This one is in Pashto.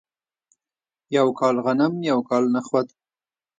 یو کال غنم یو کال نخود.